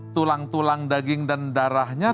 tulang tulang daging dan darahnya